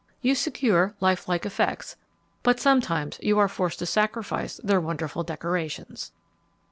You secure lifelike effects but sometimes you are forced to sacrifice their wonderful decorations.